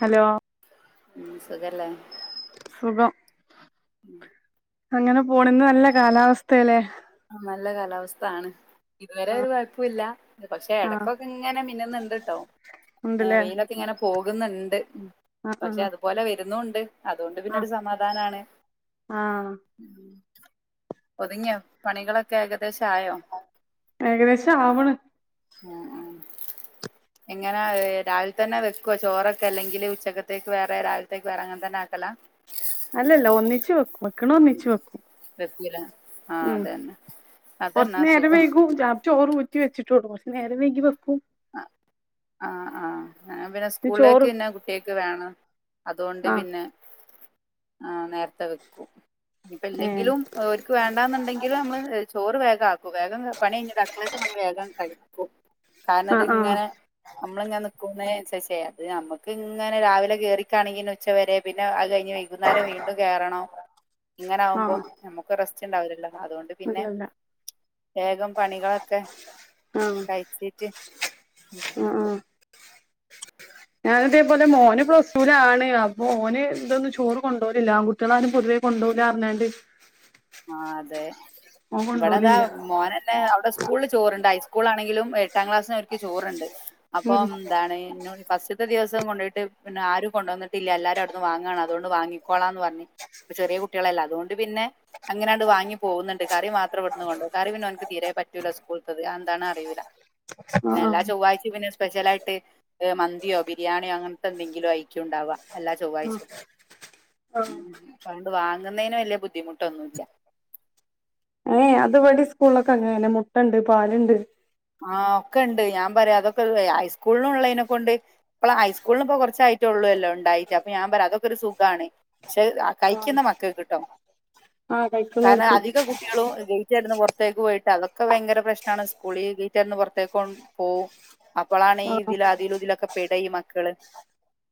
Hello സുഖല്ലേ സുഖം അങ്ങനെ പോണ് ന്നെല്ല ത്തെ കാലാവസ്ഥയല്ലേ ആ നല്ല കാലാവസ്ഥാണ് ഇതുവരെ ആഹ് ഒരു കൊയപ്പോല്ല പക്ഷെ ആഹ് എടയ്ക്കൊക്കെങ്ങനെ മിന്നുന്ന്ണ്ട്ട്ടോ ഉണ്ടല്ലേ വെയിലൊക്കെ ങ്ങനെ പോകുന്ന്ണ്ട് ആഹ് പക്ഷെ ആഹ് അതുപോലെ വരുന്നൂണ്ട് അതുകൊണ്ട് ആഹ് പിന്നൊരു സമാധാനാണ് ആഹ് ഒതുങ്ങിയ പണികളൊക്കെ ഏകദേശായോ ഏകദേശാവ്ണ് ആഹ് ആഹ് എങ്ങന രാവിലെ തന്നെ വെക്കുവ ചോറൊക്കെല്ലെങ്കില് ഉച്ചക്കത്തേക്ക് വേറെ രാവിലത്തേക്ക് വേറെ അങ്ങൻതന്നെ ആക്കല അല്ലല്ല ഒന്നിച്ച് വെക്കും വെക്കണ ഒന്നിച്ച് വെക്കും വെക്കൂല ആഹ് ഉം അതന്നെ കൊറച്ചു അതന്നാ നേരം സുഖം വെയ്കു [unintelligible] റ്റി വെച്ചിട്ടോട്ക്കും പക്ഷെ നേര വെയ്ഗി വെക്കു ആ പിന്നെ സ്കൂളിലേക്ക് പിന്നെ കുട്ടികക്ക് വേണം അതുകൊണ്ട് ആഹ് പിന്നെ ആ നേരത്തെ വെക്കു ഇപ്പ ഏഹ് ഇല്ലെങ്കിലും ് ഓര്ക്ക് വേണ്ടാന്നുണ്ടെങ്കിലാമ്മള് ചോറ് വേഗാക്കു വേഗം പണി ഇങ്ങനെ അടുക്കളേത്ത പണി വേഗം കഴിക്കും കാരണം ആഹ് ആഹ് ത്ങ്ങനെ നമ്മള്ങ്ങാ നിക്കുന്നേസരിച്ചെ അത് അമ്മക്ക് ങ്ങനെ രാവിലെ കേറിക്കാണെങ്കി ഉച്ച വരെ പിന്നെ അത് കയ്ഞ്ഞ് കുന്നേരം വീണ്ടും കേറണോം ഇങ്ങനാവുമ്പോ ആഹ് ഞമ്മക്കു റെസ്റ്റ് ഉണ്ടാവില്ലല്ലൊ അതോണ്ട് പിന്നെ അല്ലല്ല വേഗം പണികളൊക്കെ ആഹ് കയ്ച്ച് ജ് ഞാനിതേപോലെ മോന് പ്ലസ്ടുലാണ് അപ്പൊ ഓന് ഇതൊന്നും ചോറ് കൊണ്ടോലില്ല കുട്ട്യളാരും പൊതുവെ കൊണ്ടോലറിഞ്ഞാണ്ട് ആഹ് അതെ ഇവിടെതാ മോനന്നെ അവിടെ സ്കൂളിൽ ചോറ്ണ്ട് ഹൈസ്കൂളാണെങ്കിലും എട്ടാം ക്ലാസ്സിനാർക്ക് ചോറ്ണ്ട് ഉം അപ്പംദാണ് ഫസ്റ്റത്തെ ദിവസം കൊണ്ടൊയിട്ട് പിന്നാരും കൊണ്ടൊന്നിട്ടില്ല എല്ലാരവിടുന്ന് വാങ്ങാണ് അതൊണ്ട് വാങ്ങിക്കോളാന്ന് പറഞ്ഞ് ചെറിയ കുട്ട്യളല്ല അതുകൊണ്ട് പിന്നെ അങ്ങനാണ്ട് വാങ്ങി പോകുന്നുണ്ട് കറി മാത്രം ഇവിടുന്നു കൊണ്ടോം കറിപിന്നെ ഓൻക്ക് തീരേ പറ്റൂല്ല സ്കൂൾത്തത് അന്താന്ന് അറിയൂല്ല. ആഹ് ആഹ് പിന്നെല്ലാ ചൊവ്വായ്ച്ചേ സ്പെച്ചലായിട്ട് മന്തിയോ ബിരിയാണിയോ അങ്ങനത്തെന്തെങ്കിലും അയിക്കുണ്ടാവ എല്ലാ ചൊവ്വായ്ചേം അണ്ട് വാങ്ങുന്നേന് വല്യ ബുദ്ധിമുട്ടൊന്നും. ഏയ് അതുപടി സ്കൂൾലൊക്കെ അങ്ങനെന്നെ മുട്ടണ്ട് പാല്ണ്ട്. ആഹ് ഒക്കെണ്ട് ഞാൻ പറയ് അതൊക്കെ ഹൈസ്കൂളിനൊള്ളേനെക്കൊണ്ട്. അപ്പള് ഹൈസ്കൂളിന് ഇപ്പൊ കുറച്ചായിട്ടേള്ളൂല്ലേണ്ടായിട്ട് അപ്പൊ ഞാൻ പറയ് അതൊക്കെ ഒരു സുഖാണ് പക്ഷെ. കയ്ക്കുന്ന മക്കക്ട്ടോ ആ കാരണം കഴിക്കുന്നോൽക്ക് അധിക. കുട്ട്യളു ഗേറ്റ്ടന്ന് പൊറത്തേക്ക് പോയിട്ട് അതൊക്കെ ഭയങ്കര പ്രശ്നാണ് സ്കൂളിൽ. ഗേറ്റടന്ന് പൊറത്തേക് പോവും. അപ്പളാണ് ഈ ആ ഇതിലു അതിലു തിലൊക്കെ പെട ഈ മക്കള്.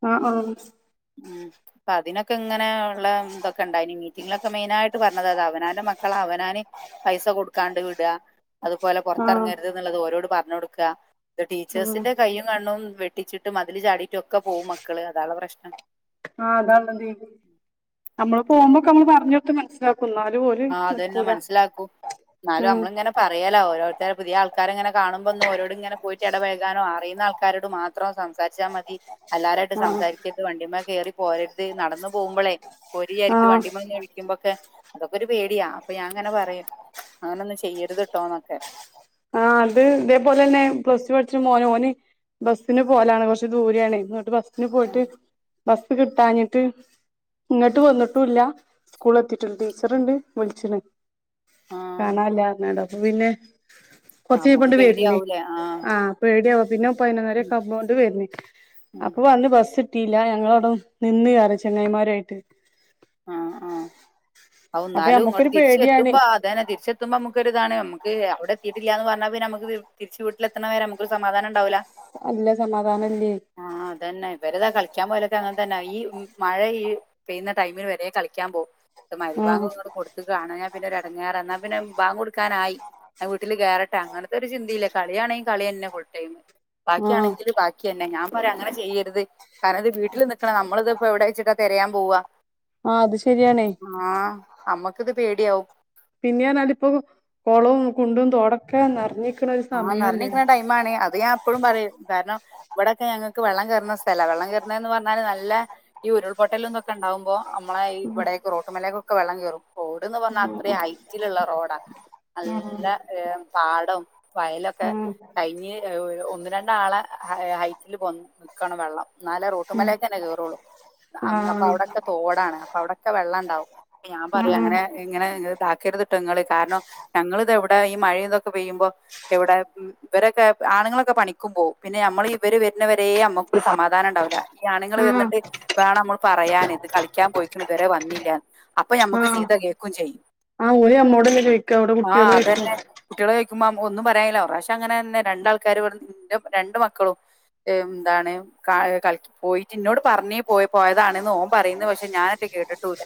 ആ ആ ആഹ് പ്പൊ അതിനൊക്കെ ങ്ങനെ ഉള്ള തൊക്കെണ്ടായിനി മീറ്റിങ്ങിലൊക്കെ മെയിനായിട്ട് പറഞ്ഞത് അത അവനാന്റെ മക്കള അവനാന്. പൈസ കൊടുക്കാണ്ട് വിട അതുപോലെ ആ പുറത്തിറങ്ങ ആ പറഞ്ഞുടുക്ക ഇത് ടീച്ചേഴ്സ്ന്റെ കയ്യും. കണ്ണും വെട്ടിച്ചിട്ട് മതില് ചാടിയിട്ടൊക്കെ പോവും മക്കള് അതാണ് പ്രശ്നം. ആഹ് അതാണ്തി നമ്മള് പോഉമ്പോക്കെ നമ്മള് പറഞ്ഞൊടുത്ത് മനസ്സിലാക്, ക്കുന്നാലും ഓല്. ആഹ് അതനെ നിക്കൂല മനസ്സിലാക്കൂ ന്നാലും ഉം നമ്മളിങ്ങനെ. പറിയാല്ലോ ഓരോരുത്തർ പുതിയ ആൾക്കാര് ങ്ങന കാണുമ്പോന്നും ഓരോട് ഇങ്ങനെ പോയിട് ഇടപഴകാനോ അറിയുന്ന ആൾ ക്കാരോട് മാത്രം സംസാര്ച്ചാമതി അല്ലാരായിട്ട് ആ സംസാരികെ ത് വണ്ടിമ്മ കയറി പോരരുത് നടന്നു പോകുമ്പോളെ ആ ഓരിചാരിക്കും വണ്ടിമ്മന്ന് വിളിക്കുമ്പോക്കെ. ഇവര് പേടിയാ അപ്പൊ ഞാൻ അങ്ങനെ പറയും അങ്ങന ഒന്നും ചെയ്യരുത് ട്ടോന്നൊക്കെ. ആഹ് അത് ഇതേപോലെന്നെ പ്ലസ് ടു പഠിച്ച മോന് ഓന് ബസ്സിന് പോലാണ് കൊറച്ച് ദൂരാണ് എന്നട്ട് ബസ്സിന് പോയിട്ട് ആഹ് ബസ് കിട്ടാഞ്ഞിട്ട്. ങ്ങട്ട് വന്നിട്ടുംല്ല സ്കൂൾ എത്തിട്ടില്ല ടീച്ചർണ്ട് വിളിച്ചിണ്. ആഹ് കാണാല്ലർഞ്ഞാണ്ട് അപ്പൊ പിന്നെ. നമ്മക്ക് കൊറച്ചീഞ്ഞപ്പണ്ട് വര്ണ് പേടിയാവൂലേ ആഹ് പേടിയവാ പിന്നെ ഉം പയ്നൊന്നരക്കമ്പോണ്ട് വര്ന്ന്. ഉം അപ്പൊ വന്ന് ബസ്ട്ടിയില്ല ഞങ്ങളവിട നിന്ന് അറയ ചെങ്ങായിമാരായിട്ട്. ആഹ് ആഹ് ഔ അപ്പൊ ന്നാലും ഇങ്ങട്ട് നമ്മക്കൊരു തിരിച്ച് പേടിയാണ് എത്തുമ്പാ ഇതന്നെ തിരിച്ചെത്തുമ്പോ നമുക്കരിതാണ് നമുക്ക് അവിടെ എത്തിയിട്ടില്ല എന്ന് പറഞ്ഞാ പിന്ന നമുക്ക് തിർ തിരിച്ച് വീട്ടിലത്തണവരെ നമുക്ക് ഒരു സമാധാനംണ്ടാവുല്ല. അല്ല സമാധാനംല്ലയ്. ആഹ് അതന്നെ ഇവരെതാ കളിക്കാൻ പോയാലൊക്കെ അങ്ങൻതന്നെ ഈ മഴയ് പെയ്യുന്ന ടൈമിൽ വരെ കളിക്കൻ പോവും. ത് മഹ്‌രിബാങ്ക് ആഹ് ഇങട് കൊടുത്ത് കാണഞാ പിന്നെ ഒരു ഇടങ്ങാറ ന്നാ പിന്നെ ബാങ്ക് കൊടുക്കാനായി. അഹ് വീട്ടില് കേറട്ടെ അങ്ങൻത്തെ ഒരു ചിന്തീല്ല കളിയാണെ കളി തന്നെ ഫുൾ ടൈം. ആഹ് ബാക്കിയാണെങ്കിൽ ബാ ക്കെന്നെ ഞാൻ പറയാ അങ്ങനെ ചെയ്യരുത് കാരണംത് വീട്ടിൽ നിക്കണ നമ്മളത്പ്പോ എവിടെ ച്ചിട്ടാ തിരയാൻ പോവ ആഹ് അത് ശരിയാണേ. ആഹ് അമ്മക്കത് പേടിയാവും. പിന്നെർഞ്ഞാണ്ട് നാല പ്പോ കുളവും കുണ്ടും തോടക്കെ നിറഞ്. ആഹ് നിറഞ്ഞക്ണ ടൈം ആണ് അത് ഞാൻ എപ്പോഴും പറയും കാരണം. ഇവിടെക്കെ ഞങ്ങക്ക് വെള്ളം കേർണ സ്ഥല വെള്ളം കേർണെന്ന് പറഞ്ഞാല് നല്ല ഈ ഉരുൾപൊട്ടലും തൊക്കെണ്ടാവുമ്പോ. അമ്മളെ ഇ ഇബടെക് റോട്ടുമലേക്കൊക്കെ വെള്ളം കേറും. റോഡന്ന് പറഞ്ഞാ ആഹ് അത്രയും ഹൈറ്റില്ള്ള റോഡാ നല്ല പാടം. വയലൊക്കെ ആഹ് കഴിഞ് ഒന്ന് രണ്ടാളെ ഹൈറ്റിൽ പോ. ക്കാണ് വെള്ളം നാല ആഹ് റോട്ടുമലേക്കന്നെ കേറുള്ളൂ. അങ് അപ്പൊ ആഹ് അവിടെക്കെ തോടാണ് അപ്പൊ അവിടെക്കെ വെള്ളണ്ടാവും ഹ് ഞാൻ ആഹ് പറയാ ആഹ് അങ്ങനെ. ഇങ്ങനെ ഹ് ഇതാക്കര്ത്ട്ടൊ ങ്ങള് കാരണം ഞങ്ങള്തെവിടെ ഈ മഴീ തൊക്കെ പെയ്യുമ്പോ. എവിടെ ഇവരൊക്കെ ആണുങ്ങളൊക്കെ പണിക്കുമ്പോകും പിന്നെ നമ്മൾ ഇവർ വരുന്നവരെ നമ്മക് സമാധ ധാനണ്ടാവ് ല്ല ഈ ആണുങ്ങൾ ആഹ് വന്നിട്ട് വേണം മ്മൾ പറയാന് ഇത് കളിക്കാൻ പോയിക്ണ് ഇതരെ വന്നില്ല. അപ്പൊ ഞമ്മക്ക് ആഹ് സീത കേക്കും ചെയ്യും ആഹ് അവര് നമ്മോടല്ലേ ചോയ്ക്ക വിടെ കുട്ട്യേളോയ്ക്ക കുട്ട്യേളെഴിക്കുമ്പോ അമ്മോ ഒന്നും പറയായ്ല്ല ഒറാശം അങ്ങനെന്നെ രണ്ടാൾക്കാർ [unintelligible] ന്റെ രണ്ട് മക്കളും എംന്താണ് കാ ഏഹ് കളിക്ക് പോയിറ്റ് ഇന്നോട് പറന്നീ പോയ് പോയതാണെന്ന് ഓൻ പറയുന്നു പക്ഷെ ഞാനറ്റ് കേട്ടിട്ടൂല്ല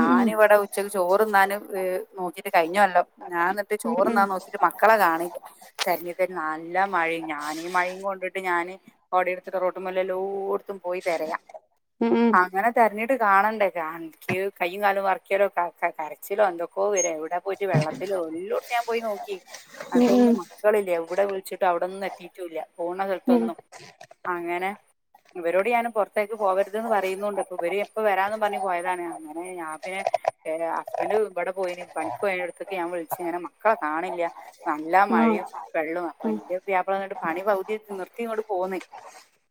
ഉം ഇവിട ഉച്ചയ്ക്ക് ചോറ്ന്നാന് ഏഹ് നോക്കിട്ട് കഴിഞ്ഞഒല്ലോ ഞാൻ എന്നിട്ട് ഉം ഉം ചോറ്ന്നാ നോ ട്ട് മക്കളെ കാണില്ല തെര്ഞ് തെര്ഞ് നല്ല മഴയും ഞാൻ ഈ മഴയും കൊണ്ടിട്ട് ഞാന് കൊടടുത്തിട്ട് റോട്ടുമ്മലെല്ലോട്ത്തും പോയി തെരയാ ഉം ഉം അങ്ങനെ തെരഞ്ഞിട്ട് കാണണ്ടേ കാ ഇൻക്ക് കൈയ്യും കാലും വെറക്കലോട്ടാ ക കരച്ചിലോ എന്തൊക്കോ വെരാ വിട പോയിട്ട് വെള്ളത്തിലോ എല്ലോടുത്തും ഞാൻ പോയി നോക്കി ഉം ഉം അട്ടൊന്നും ഉം മക്കളില്ല എവിടെ വിളിച്ചിട്ടും അവിടൊന്നും എത്തീട്ടും ഇല്ല പോണ ഉം സ്ഥലത്തൊന്നും അങ്ങനെ ഇവരോട് ഞാൻ പൊറത്തേക്ക് പോകരുത് എന്ന് പറയുന്നൂണ്ട് അപ്പൊ ഇവര് ഇപ്പ വെരാന്നും പറഞ്ഞ് പോയതാണ് അങ്ങനേ ഞാൻ പിന്നെ [unintelligible] ഹസ്ബൻഡ് ഇബടെ പോയീന് പണിക്ക് പോയേന്റ അടുത്തക്ക് ഞാൻ വിളിച്ച് ഇങ്ങനെ മക്കളെ കാണില്ല്യാ നല്ല ഉം മഴയും വെള്ളവും അപ്പൊ ഉം എന്റെ പുയ്യാപ്പള വന്നിട്ട് പണി പകുതി വച്ച് നിർത്തി ഇങ്ങോട് പോന്ന്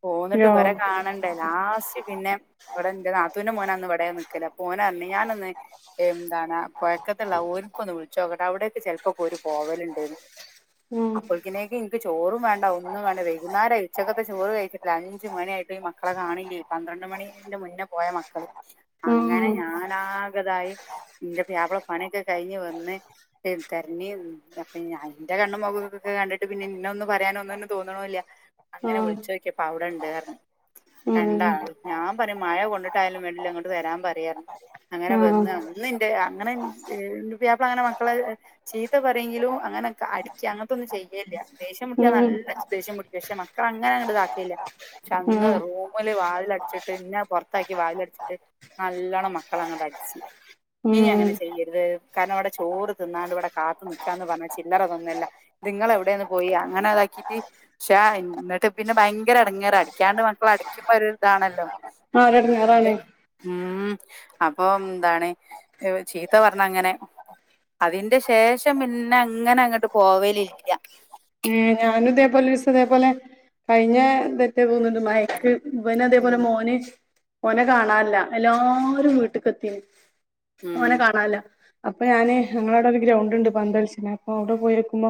പോന്നിട്ട് യോ ഇവരെ കാണ ണ്ടേ ലാസ്റ്റ് പിന്നെ ഇവിടെ എന്റെ നാത്തൂന്റെ മോൻ അന്ന് ഇവിടെയാ നിക്കല് അപ്പൊ ഓനാ പറഞ്ഞ് ഞാനൊന്ന് എന്താണ് ആഹ് പഴക്കത്തുള്ള ഓർക്ക് ഒന്ന് വിളിച്ചോക്കട്ടെ അവിടെയൊക്കെ ചെലപ്പോക്കെ ഒരു പോവല്ൺ ഉം അപ്പോൾക്കിനേക്ക് എനിക്ക് ചോറും വേണ്ട ഒന്നും വേണ്ട വൈകുന്നേരായി ഉച്ചക്കത്തെ ചോറ് കഴിച്ചപ്ലെ അഞ്ച് മണിയായിട്ട് മ ക്കളെ കാണില്ലേ പന്ത്രണ്ട് മണീന്റെ മുന്ന പോയ മക്കള് അങ്ങനെ ഉം ഞാനാക ഇതായി എന്റെ പുയ്യാപ്പള പണീക്കെ കഴിഞ്ഞ് വന്ന് [unintelligible] തെരഞ്ഞി പിന് ഞായ് എന്റെ കണ്ണും മൊഖോക്കക്ക കണ്ടിട്ട് പിന്നെ ഇന്നെ ഒന്നും പറയാനൊന്നുംനും തോന്നണോല്ല്യാ ഉം അങ്ങനെ ഉം വിളിച്ചോക്കിയപ്പ അവിട ഇണ്ട് ആർന്നു രണ്ടാളും ഞാൻ പറയും മഴ കൊണ്ടിട്ടായാലും വേണ്ടില്ല ഇങ്ങോട്ട് വെരാൻ പറയാഞ് അങ്ങനെ വെന്ന് ആഹ് അന്ന് എന്റെ അങ്ങനെ [unintelligible] പുയ്യാപ്പ ള അങ്ങനെ മക്കളെ ചീത്ത പറയെങ്കിലും അങ്ങനൊക്കെ അടിക്യാ അങ്ങനത്തൊന്നും ചെയ്യല്യാ ദേഷ്യം മുട്ടിയാ ഉം നല്ല ച് ദേഷ്യം പിടിക്കും പക്ഷെ മക്കള അങ്ങനെ അങ്ങട് ഇതാക്കയില്ല പക്ഷെ അന്ന് ഉം റൂമില് വാതിൽ അടച്ചിട്ട് ഇന്ന പൊറത്താക്കി വാതിൽ അടച്ചിട്ട് നല്ലോണം മക്കളെ അങ്ങോട്ട് അടിച്ച് ഇനി ഉം അങ്ങനെ ചെയ്യരുത് കാരണം അവിടെ ചോറ് തിന്നാണ്ട് ഇവിടെ കാത്തു നിക്കാന്ന് പറഞ്ഞച്ച് ചില്ലറ തന്നല്ല നിങ്ങൾ എവിടെയാന്ന് പോയി അങ്ങനെ അതാക്കീട്ട് ക്ഷാ എന്നിട്ട് പിന്നെ ഭയങ്കര എടങ്ങേറാ അടിക്കാണ്ട് മക്കൾ അടിക്കുമ്പോ ഒരു ഇതാണല്ലോ ആഹ് ഒര് അതെ. എടങ്ങേരാണ് ഉം അപ്പോ എന്താണ് ഏഹ് ചീത്ത പറഞ്ഞ അങ്ങനെ അതിന്റെ ശേഷം പിന്ന അങ്ങനെ അങ്ങട്ട് പോവലില്ല ഉം ഞാനും ഇതേപോലെ ഒരു ദിസം ഇതേപോലെ കഴിഞ്ഞേ ഇതാറ്റെ തോന്നിണ്ട് ഇവനും അതേപോലെ ഉം. മോന് മോനെ കാണാനില്ല എല്ലാവരും വീട്ട്ക്കെത്തീന് ഉം. മോനെ കാണാനില്ല അപ്പൊ ഞാന് ഞങ്ങളവിട ഒരു ഗ്രൗണ്ട് ഉണ്ട് പന്തളിച്ചിനെ അപ്പൊ അവിടെ പോയിക്കുമ്പോ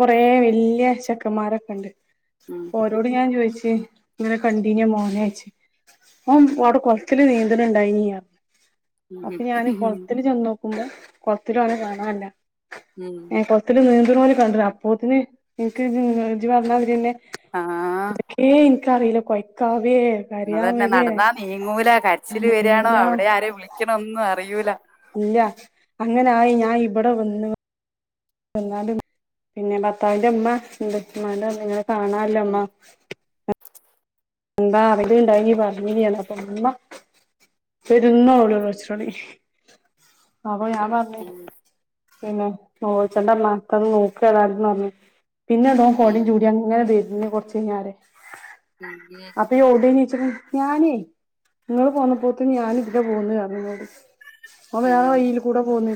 കൊറേ വെല്യ ചെക്കന്മാരൊക്കെ ഉണ്ട് ഉം അപ്പൊ ഓരോട് ഞാൻ ചോയിച്ച് ഇങ്ങനെ കണ്ടീന്യോ മോനേച്ച് മോൻ അവിടെ കൊളത്തില് നീന്തലുണ്ടായിനീയാ അപ്പൊ ഞാന് കൊളത്തില് ചെന്നോ ക്കുംമ്പം കൊളത്തിലും അവനെ കാണാനില്ല ഉം. ഏഹ് കൊളത്തില് നീന്തണ പോലെ കണ്ട് അ പോത്തിന് ഇൻക്ക് ഇജ്ജ് പറഞ്ഞതിരിയെന്നെ ആഹ് അതൊക്കേ എനിക്കറിയില് കോയക്കാവേ അന്നത് തന്നെ നടന്നാ നീങ്ങൂലാ കരച്ചില് വെരണോ നീങ്ങൂല അവിടെ ആരെ വിളിക്കണോ ഒന്നും അറിയൂലാ ഇല്ല അങ്ങനായി ഞാൻ ഇവിടെ വന്ന് എന്നാലും പിന്നെ ഭർത്താവിന്റെ ഇമ്മ ഇമ്മാന്റോടിങ്ങെനെ കാണാനില്ലാ ഉം. ഇമ്മാ എന്താ അരേണ്ടായിന് പറഞ്ഞിന് എന്നൊക്കെ ഇമ്മ പെരന്നോളോളീച്ചോളീ അപ്പ ഞാ ഉം. പിന്നെ നേലോൽചണ്ടമാ നോക്ക വരാനുണ്ട് പറഞ്ഞ് പിന്നെണ്ടോ ഉം. കോടയും ചൂടി അങ്ങനെ വെര്ന്ന് കുറച്ച് കഴിഞ്ഞരെ മ് അ അപ്പ എവിടെണീച്ചന് ഞാനേ നിങ്ങള് പോന്നപ്പോത്തന്നെ ഞാൻ ഇവിടെ പോന്ന് പറഞ്ഞെന്നോട് ഓ വേറെോ ഉം. വയീല് കൂടെ പോന്ന്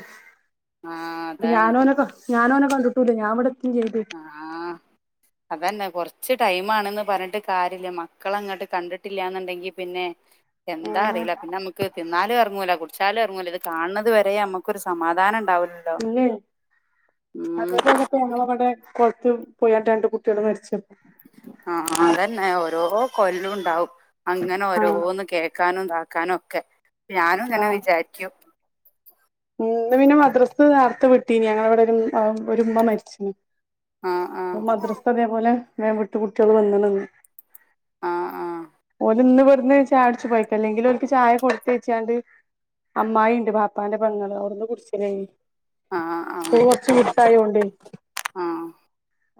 ആഹ് അപ്പ അതാണ്. ഞാനോനൊക്കെ ഞാനോന കിണ്ടിട്ടൂല്ല ഞൻവിടത്തും ചെയ്ത്ക്ക് അ ആഹ് അതന്നെ കൊറച്ച് ടൈമാണ്ന്ന് പറഞ്ഞിട്ട് കാര്യല്ല മക്കള അങ്ങട്ട് കണ്ടിട്ടില്ലാന്നുണ്ടെങ്കി പിന്നെ എന്താ ഏഹ് അറിയില്ല പിന്നെ നമ്മക്ക് തിന്നാലും എറങ്ങൂല കുടി കുടിച്ചാലും എറങ്ങൂല്ല ഇത് കാണണത് വരെ നമ്മക്കൊരു സമാധാനം ഉണ്ടാവൂലല്ലോ ഇല്ലേ ഉം അതേപോലെ ഇപ്പ ഞങ്ങളെവിടെ കൊളത്ത് പോയാട്ട് രണ്ട് കുട്ടികള് മരിച്ച് ആഹ് ആഹ് അതന്നെ ഓരോ കൊല്ലും ഉണ്ടാവും അങ്ങനെ ആഹ് ഓരോന്ന് കേക്കാനും ഇതാക്കാനും ഒക്കെ ഞാനും ഇങ്ങനെ വിചാരിക്കും ഉം ഇന്ന് പിന്നെ മദ്രസ്സ് നേർത്തെ വിട്ടീനി ഞങ്ങളെ ഇവിടെ ഒരു ഉം ഒരുമ്മ മരിച്ചീന് ആ ആ മദ്രസ്സത്തെ അതേപോലെ വേം വിട്ടു കുട്ട്യോള് വന്നണ്ന്ന് ആ ആ ഓല്ന്ന് ഇവിടുന്ന് ചായകുടിച്ചു പോയി അല്ലെങ്കില് ഓലിക്ക് ചായ കൊടുത്തയച്ചാണ്ട് അമ്മായിണ്ട് ബാപ്പാന്റെ പെങ്ങള അവുടുന്ന് കുടിച്ചിലായിനി ആ ആ സ്‌കൂള് കൊർച്ച് വിട്ടായോണ്ടെ ആ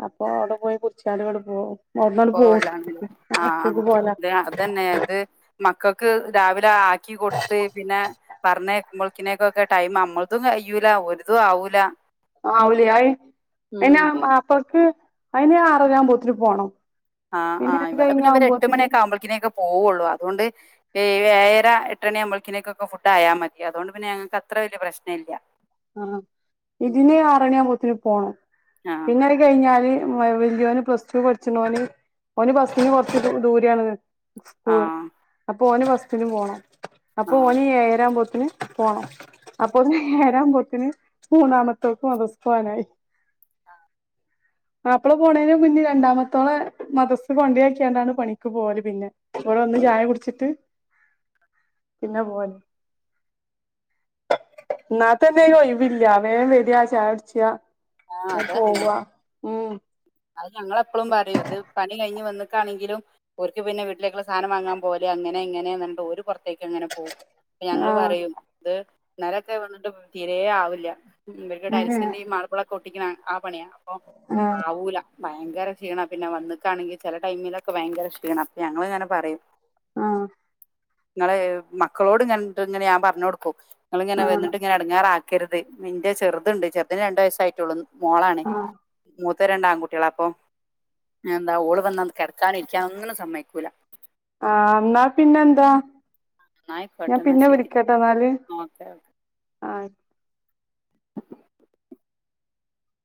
അപ്പൊ അവിടെ പോയി കുടിച്ചാട് ഇങ്ങട് പോവും അവിടുന്നാണ്ട് പോവും പോവലാണല്ലേ ആഹ് സ്കൂൾക്ക് ആഹ് പോവലാ [unintelligible] അതന്നെ ഇത് മക്കക്ക് രാവിലെ ആക്കി കൊടുത്ത് പിന്നെ പറഞ്ഞയക്കുമ്പോൾക്കിനേക്കൊക്കെ ടൈം അമ്മളതും കയ്യൂല ഓലതും ആവൂല ആവൂലെ അയി അയ്ന് ഉം അം അപ്പക്ക് അയിന് ആറരാവുമ്പോത്തിന് പോണം ആഹ് പിന്നെ ആഹ് അത് ഇവിടെ പിന്നെ ഇവര് എട്ട് കഴിഞ്ഞാവുമ്പോത്തിന് മണിയൊക്കെയാകുമ്പോളക്കിനെക്കെപോവുള്ളൂ അതുകൊണ്ട് ഏയ് ഏയര എട്ടണിയാകുമ്പളേക്കിനേക്കൊക്കെ ഫുഡ് ആയാ മതി അതുകൊണ്ട് പിന്നെ ഞങ്ങക്ക് അത്ര വലിയ പ്രശനയില്ല ആഹ് ഇതിന് ആറണി ആവുമ്പളത്തിന് പോണം ആഹ് പിന്നെ കഴിഞ്ഞാല് വ വെല്യോന് പ്ലസ്ടു പഠിച്ചണോന് ഓന് ബസ്സിന് കൊറച്ച് ദൂ ദൂര ആണ് പൂവാ ആഹ് അപ്പൊ ഓന് ബസ്സിന്പോണം അപ്പൊ ആഹ് ഓന് ഏയരാവുമ്പോത്തിന് പോണം അപ്പൊ ഏരാവുമ്പോത്തിന് മൂന്നാമത്തോക്ക് മദ്രസ്സ പോവാനായി ആഹ് മാപ്പള പോണേനെ മുന്നേ രണ്ടാമത്തോളെ മദ്രസ്സെ കൊണ്ടിയാക്കിയാണ്ടാണ് പണിക്ക് പോവല് പിന്നെ ഓള് വന്ന് ചായ കുടിച്ചിട്ട് പിന്നെ പോവല് ഇന്നാത്തന്നെ ഒരൊയിവില്ല വേം വെരാ ചായ കുടിച്ചാ ആഹ് ഞാൻ അത് തന്നെ പോവാ ഉം അത് ഞങ്ങളെപ്പളും പറയും ഇത് പണി കഴിഞ്ഞ് വന്ന്ക്കാണെങ്കിലും ഓര്ക്ക് പിന്നെ വീട്ടിലേക്കുള്ള സാധനം വാങ്ങാൻ പോവല് അങ്ങനെ ഇങ്ങനെ പറഞ്ഞിട്ട് ഓര് പൊറത്തേക്ക് അങ്ങനെ പോകും അപ്പ ഞങ്ങള് ആഹ് പറയും ഇത് ഇന്നലൊക്കെ [unintelligible] തീരേ ആവില്ല ഇവർക്ക് ഉം ടൈൽസിന്റെ ഈ മാർബിളൊക്കെ ഒട്ടിക്കണ ആ പണിയാ അപ്പൊ ആഹ് ആവൂല ഭയങ്കര ക്ഷീണാ പിന്നെ വന്നക്കാണെങ്കിൽ ചില ടൈമിലൊക്കെ ഭയങ്കരക്ഷീണാ അപ്പ ഞങ്ങൾ ഇങ്ങനെ പറയും ആഹ് ഇങ്ങള് മക്കളോട് ഇങ്ങൻട്ട് ഇങ്ങനെ ഞാൻ പറഞ്ഞ് കൊടുക്കും ഇങ്ങളിങ്ങനെ ആഹ് വന്നിട്ട് ഇങ്ങനെ എടങ്ങാറാ ക്കരുത് ഇന്റെ ചെറുതുണ്ട് ചെറുതിന് രണ്ടു വയസായിട്ടുള്ളൂ മോളാണെ ആഹ് മൂത്ത് മൂത്ത രണ്ടാൺകുട്ടികളാ അപ്പൊ എന്താ ഓള് വന്നാ ഒന്ന് കെടക്കാനും ഇരിക്കാനൊന്നിനും സമ്മയിക്കൂല്ല ആഹ് ഇന്നാ പിന്നെ എന്താ ഞാൻ എന്നായിക്കോട്ടെ എന്നാ പിന്നെ ശരി വിളിക്കട്ടാ എന്നാല് ഓക്കെ ഓക്കെ ആഹ്